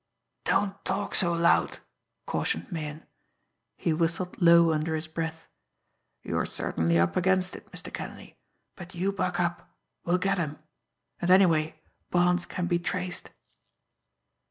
"Don't talk so loud!" cautioned Meighan. He whistled low under his breath. "You're certainly up against it, Mr. Kenleigh, but you buck up! We'll get 'em. And, anyway, bonds can be traced."